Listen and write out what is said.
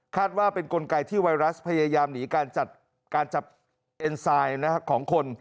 คาดว่าเป็นกลไกที่ไวรัสพยายามหนีการจับเอ็นไซน์นะครับของคน